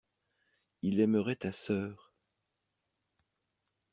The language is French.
Il aimerait ta sœur.